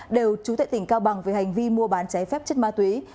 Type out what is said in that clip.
đều trú tại tỉnh cao bằng về hành vi mua bán cháy phép chất ma túy